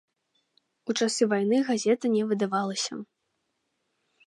У часы вайны газета не выдавалася.